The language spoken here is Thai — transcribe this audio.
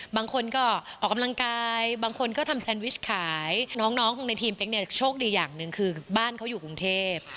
บางคนก็ออกกำลังกายบางคนก็ทำแซนวิชขายน้องในทีมเป๊กเนี่ยโชคดีอย่างหนึ่งคือบ้านเขาอยู่กรุงเทพ